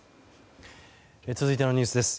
続いてのニュースです。